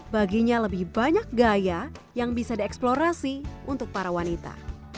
baginya lebih banyak gaya yang bisa dieksplorasi untuk para wanita